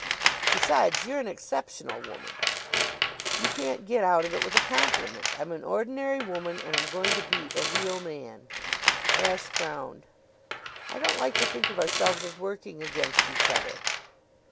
"Besides, you're an exceptional woman." "You can't get out of it with a compliment. I'm an ordinary woman and I'm going to beat a real man." Ashe frowned. "I don't like to think of ourselves as working against each other."